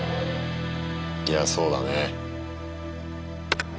いやそうだね。